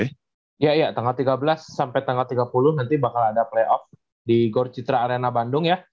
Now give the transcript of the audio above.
iya iya tanggal tiga belas sampai tanggal tiga puluh nanti bakal ada playoff di gor citra arena bandung ya